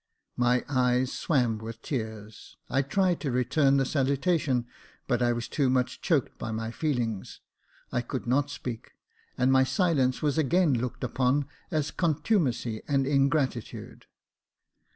My eyes swam with tears. I tried to return the saluta tion, but I was too much choked by my feelings ; I could not speak, and my silence was again looked upon as con tumacy and ingratitude.